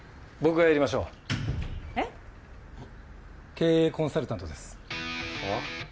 経営コンサルタントです。はあ？